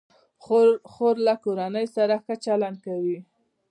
خور له کورنۍ سره ښه چلند کوي.